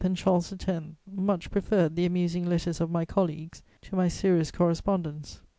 and Charles X. much preferred the amusing letters of my colleagues to my serious correspondence.